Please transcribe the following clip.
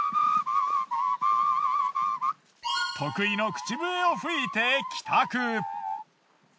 得意の口笛を吹いて帰宅。